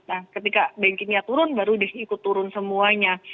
nah ketika bankingnya turun baru ikut turun semuanya